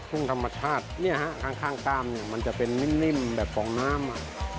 กุ้งธรรมชาตินี่ฮะข้างตามมันจะเป็นนิ่มแบบปล่องน้ำ